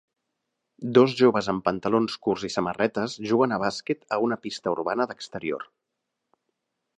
Dos joves amb pantalons curts i samarretes juguen a bàsquet a una pista urbana d'exterior.